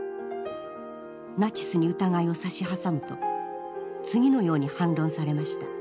ナチスに疑いを差し挟むと次のように反論されました。